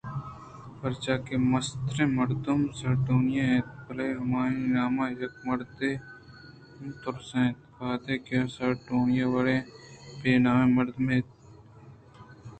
پرچاکہ کہ مستریں مردم سارڈونی اِنت بلئے ہمائی ءِ نام ءَ یکے مردم ترس اَنت وہدے کہ سارٹونی وڑیں بے نامیں مردمے ءِ نام گوں میتگ ءِ جنکے ءَ گرگ بہ بیت کہ آئی ءِ مہروانی اِنت گڑا بزاں کہ آ پہ دست گردیت